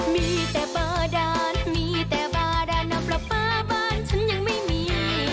มีแต่บาดานมีแต่บาดานน้ำปลาปลาบ้านฉันยังไม่มี